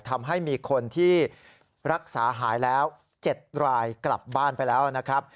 ทำให้มีคนที่รักษาหายแล้ว๗รายกลับบ้านไปแล้วนะครับ